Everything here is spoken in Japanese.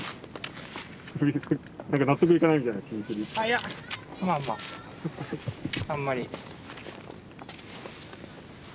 いやまあまああんまり。